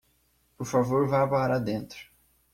Por favor, vá para dentro